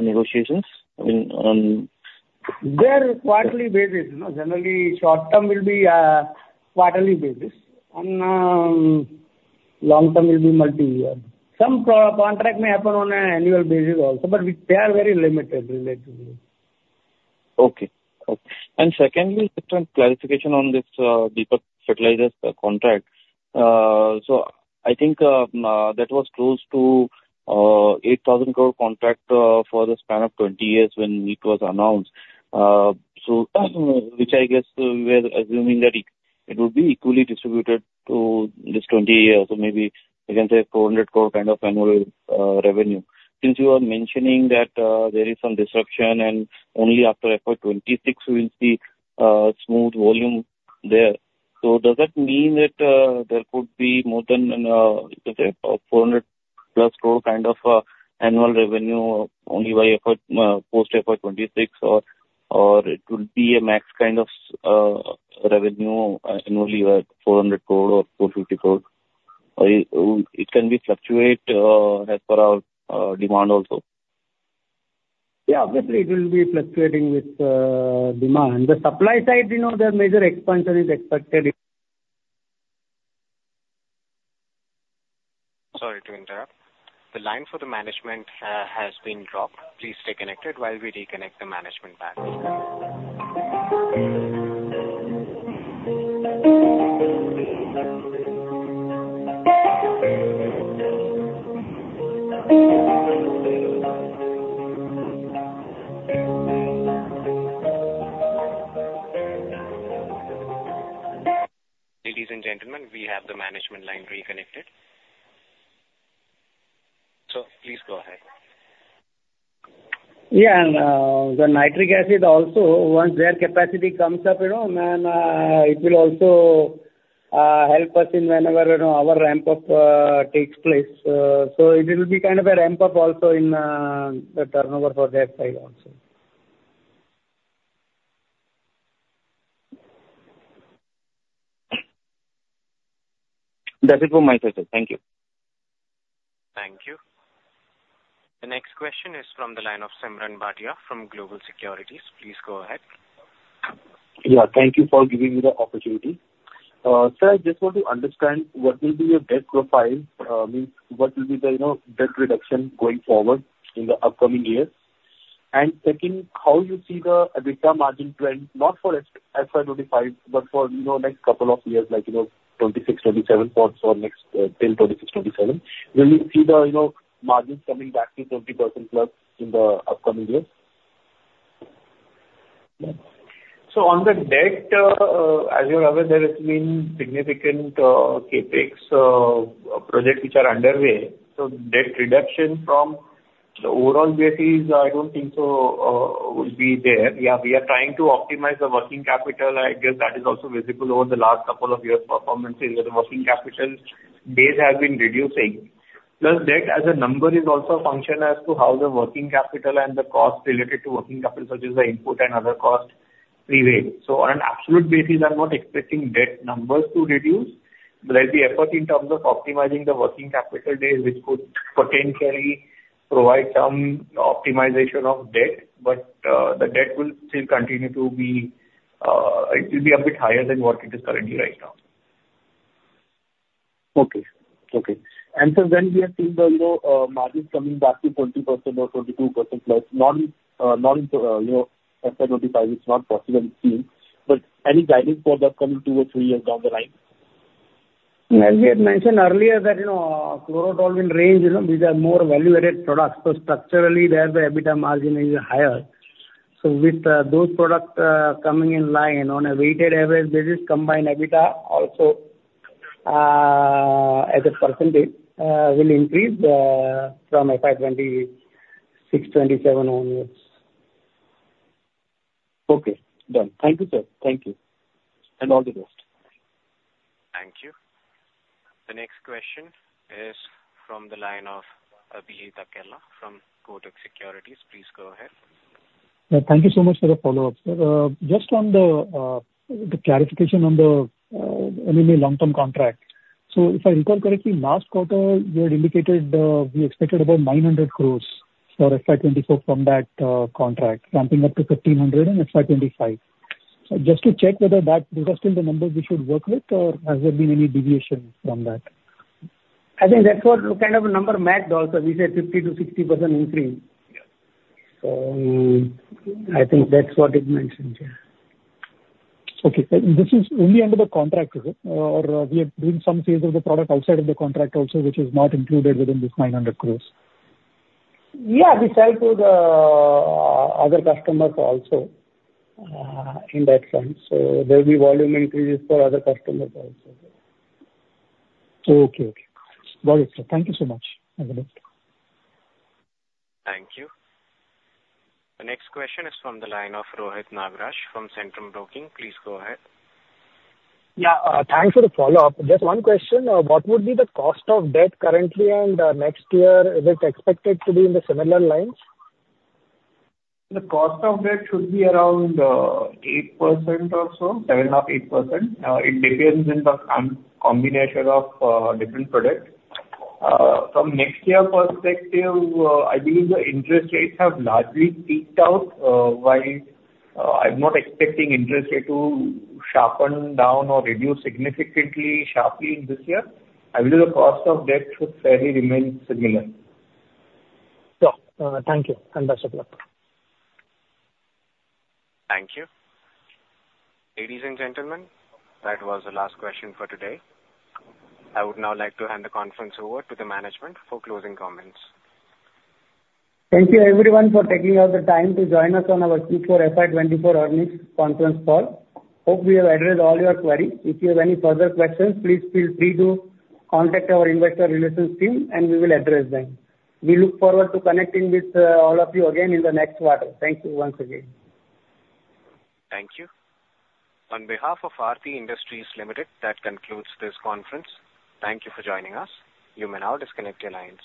[SPEAKER 17] negotiations, I mean, on-
[SPEAKER 3] They're quarterly basis, you know. Generally, short term will be quarterly basis, and long term will be multi-year. Some contract may happen on an annual basis also, but they are very limited relatively.
[SPEAKER 17] Okay. Okay. And secondly, just a clarification on this, Deepak Fertilisers contract. So I think, that was close to 8,000 crore contract, for the span of 20 years when it was announced. So which I guess we were assuming that it, it would be equally distributed to this 20 years, so maybe we can say 400 crore kind of annual revenue. Since you are mentioning that, there is some disruption and only after FY 2026 we will see, smooth volume there. So does that mean that there could be more than, let's say, 400+ crore kind of annual revenue only by FY post FY 2026, or it would be a max kind of revenue annually where 400 crore or 450 crore, or it can fluctuate as per our demand also?
[SPEAKER 3] Yeah, obviously, it will be fluctuating with demand. The supply side, you know, the major expansion is expected-
[SPEAKER 1] Sorry to interrupt. The line for the management has been dropped. Please stay connected while we reconnect the management back. Ladies and gentlemen, we have the management line reconnected. So please go ahead.
[SPEAKER 3] Yeah, and the nitric acid also, once their capacity comes up, you know, then it will also help us in whenever, you know, our ramp up takes place. So it will be kind of a ramp up also in the turnover for that side also.
[SPEAKER 17] That's it from my side, sir. Thank you.
[SPEAKER 1] Thank you. The next question is from the line of Simran Bhatia from Global Securities. Please go ahead.
[SPEAKER 18] Yeah, thank you for giving me the opportunity. Sir, I just want to understand what will be your debt profile, means what will be the, you know, debt reduction going forward in the upcoming year? And second, how you see the EBITDA margin trend, not for FY 2025, but for, you know, next couple of years, like, you know, 2026, 2027, for, for next, till 2026, 2027. Will you see the, you know, margins coming back to 20%+ in the upcoming years?
[SPEAKER 3] So on the debt, as you're aware, there has been significant CapEx project which are underway. So debt reduction from the overall basis, I don't think so, would be there. Yeah, we are trying to optimize the working capital. I guess that is also visible over the last couple of years' performances, where the working capital days have been reducing. Plus, debt as a number is also a function as to how the working capital and the cost related to working capital, such as the input and other cost, prevail. So on an absolute basis, I'm not expecting debt numbers to reduce. There's the effort in terms of optimizing the working capital days, which could potentially provide some optimization of debt, but the debt will still continue to be... It will be a bit higher than what it is currently right now.
[SPEAKER 18] Okay. So when we are seeing the, you know, margins coming back to 20% or 22%+, in, you know, FY 2025, it's not possible it seems, but any guidance for the coming two or three years down the line?
[SPEAKER 3] As we had mentioned earlier that, you know, chlorotoluene range, you know, these are more value-added products, so structurally there the EBITDA margin is higher. So with those products coming in line on a weighted average basis, combined EBITDA also, as a percentage, will increase from FY 2026, FY 2027 onwards....
[SPEAKER 18] Okay, done. Thank you, sir. Thank you, and all the best!
[SPEAKER 1] Thank you. The next question is from the line of Abhijit Akella from Kotak Securities. Please go ahead.
[SPEAKER 6] Yeah, thank you so much for the follow-up, sir. Just on the clarification on the MMA long-term contract. So if I recall correctly, last quarter you had indicated we expected about 900 crore for FY 2024 from that contract, ramping up to 1,300 crore in FY 2025. So just to check whether that is still the number we should work with, or has there been any deviation from that?
[SPEAKER 3] I think that's what kind of a number matched also. We said 50%-60% increase.
[SPEAKER 6] Yeah.
[SPEAKER 3] I think that's what it mentions, yeah.
[SPEAKER 6] Okay. This is only under the contract, or we have done some sales of the product outside of the contract also, which is not included within this 900 crore?
[SPEAKER 3] Yeah, we sell to the, other customers also, in that sense, so there'll be volume increases for other customers also.
[SPEAKER 6] Okay. Okay. Got it, sir. Thank you so much. Have a good day.
[SPEAKER 1] Thank you. The next question is from the line of Rohit Nagraj from Centrum Broking. Please go ahead.
[SPEAKER 5] Yeah, thanks for the follow-up. Just one question. What would be the cost of debt currently and next year? Is it expected to be in the similar lines?
[SPEAKER 3] The cost of debt should be around 8% or so, 7.5%-8%. It depends on the combination of different products. From next year perspective, I believe the interest rates have largely peaked out, while I'm not expecting interest rate to sharpen down or reduce significantly sharply in this year. I believe the cost of debt should fairly remain similar.
[SPEAKER 5] Sure. Thank you, and best of luck.
[SPEAKER 1] Thank you. Ladies and gentlemen, that was the last question for today. I would now like to hand the conference over to the management for closing comments.
[SPEAKER 3] Thank you, everyone, for taking out the time to join us on our Q4 FY 2024 earnings conference call. Hope we have addressed all your queries. If you have any further questions, please feel free to contact our investor relations team and we will address them. We look forward to connecting with all of you again in the next quarter. Thank you once again.
[SPEAKER 1] Thank you. On behalf of Aarti Industries Limited, that concludes this conference. Thank you for joining us. You may now disconnect your lines.